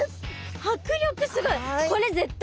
迫力すごい。これ絶対雄ですね。